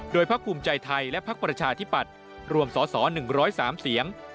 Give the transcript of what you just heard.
โดยภาคภูมิใจไทยและภาคประชาธิบัตรรวมศอสร๑๐๓เสียง